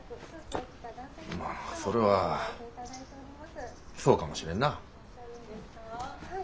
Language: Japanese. まあそれはそうかもしれんな。